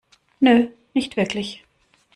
Nö, nicht wirklich.